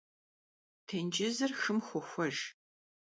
Têncızır xım xohejj.